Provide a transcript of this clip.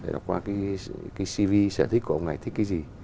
đọc qua cái cv sở thích của ông này thích cái gì